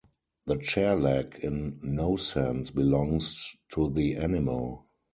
The chair-leg in no sense belongs to the animal.